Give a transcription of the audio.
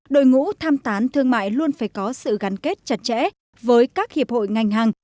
đội ngũ tham tán thương mại luôn phải có sự gắn kết chặt chẽ với các hiệp hội ngành hàng